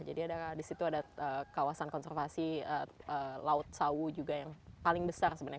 jadi disitu ada kawasan konservasi laut sawu juga yang paling besar sebenarnya